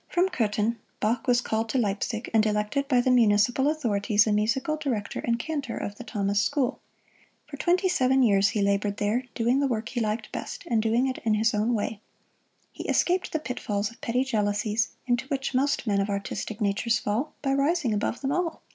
From Kothen, Bach was called to Leipzig and elected by the municipal authorities the Musical Director and Cantor of the Thomas School. For twenty seven years he labored here, doing the work he liked best, and doing it in his own way. He escaped the pitfalls of petty jealousies, into which most men of artistic natures fall, by rising above them all.